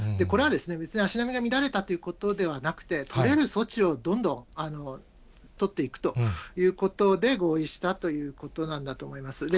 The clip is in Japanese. これは別に足並みが乱れたということではなくて、取れる措置をどんどん取っていくということで合意したということなんだと思います。